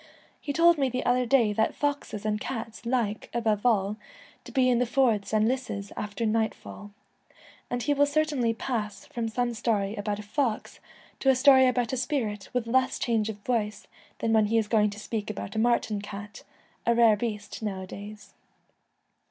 He told me the other day that 102 foxes and cats like, above all, to be in the Enchanted Woods. ' forths ' and lisses after nightfall ; and he will certainly pass from some story about a fox to a story about a spirit with less change of voice than when he is going to speak about a marten cat — a rare beast now a days.